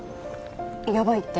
やばいって？